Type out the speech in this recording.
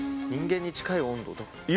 人間に近い温度とか。